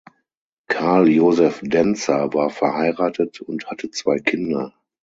Karl Josef Denzer war verheiratet und hatte zwei Kinder.